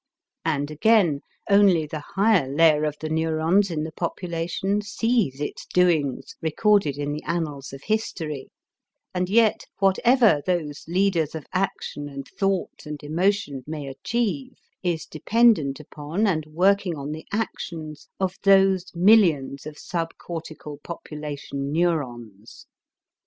And again only the higher layer of the neurons in the population sees its doings recorded in the annals of history; and yet whatever those leaders of action and thought and emotion may achieve is dependent upon and working on the actions of those millions of subcortical population neurons.